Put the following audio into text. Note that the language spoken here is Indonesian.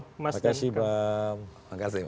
terima kasih bang